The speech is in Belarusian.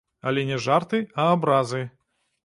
Але не жарты, а абразы.